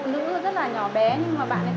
như như là bây giờ nó như là cái